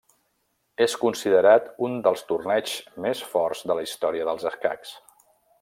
És considerat un dels torneigs més forts de la història dels escacs.